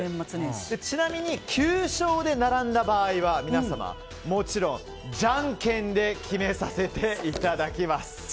ちなみに９勝で並んだ場合は皆様、もちろん、じゃんけんで決めさせていただきます。